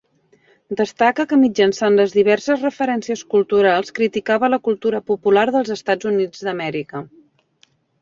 Destaca que mitjançant les diverses referències culturals criticava la cultura popular dels Estats Units d'Amèrica.